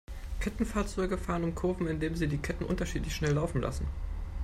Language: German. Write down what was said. Kettenfahrzeuge fahren Kurven, indem sie die Ketten unterschiedlich schnell laufen lassen.